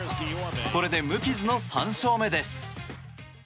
これで、無傷の３勝目です。